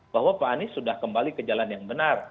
bahwa pak anies sudah kembali ke jalan yang benar